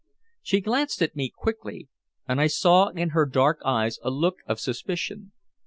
She glanced at me quickly, and I saw in her dark eyes a look of suspicion.